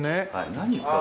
何に使う。